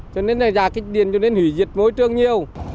cho nên là giả kích điện cho nên hủy diệt môi trường nhiều